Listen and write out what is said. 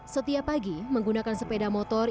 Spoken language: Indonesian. setiap pagi menggunakan sepeda motor